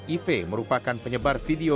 ive merupakan penyebar video